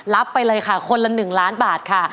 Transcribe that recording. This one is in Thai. ไปเลยค่ะคนละ๑ล้านบาทค่ะ